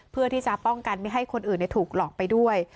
เพื่อที่จะป้องกันไม่ให้คนอื่นถูกหลอกไปด้วย